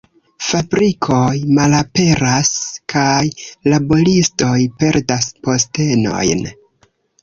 Fabrikoj malaperas kaj laboristoj perdas postenojn.